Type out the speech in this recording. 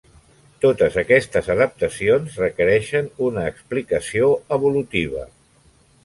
Totes aquestes adaptacions requereixen una explicació evolutiva.